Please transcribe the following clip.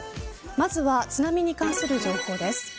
まずは津波に関する情報です。